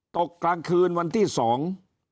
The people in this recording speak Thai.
ตกกลางคืนวันที่สอง